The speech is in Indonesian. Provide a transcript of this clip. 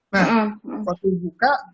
nah waktu dibuka